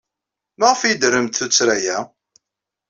Maɣef ay d-tettremt tuttra-a?